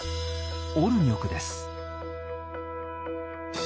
オルニョクです。